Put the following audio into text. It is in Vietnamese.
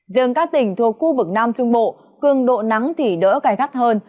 riêng các tỉnh thuộc khu vực nam trung bộ cường độ nắng thì đỡ cài gắt hơn